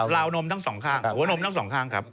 วนมทั้งสองข้างหัวนมทั้งสองข้างครับ